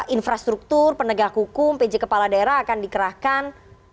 infrastruktur penegak hukum pj kepala daerah akan dikerahkan